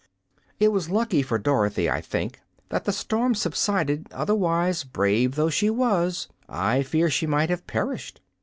It was lucky for Dorothy, I think, that the storm subsided; otherwise, brave though she was, I fear she might have perished.